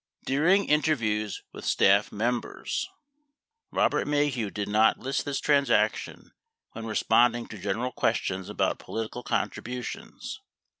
During interviews with staff members 13 Robert Maheu did not list this transaction when responding to general questions about politi cal contributions.